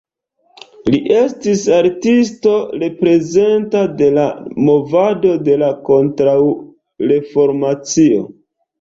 Li estis artisto reprezenta de la movado de la Kontraŭreformacio.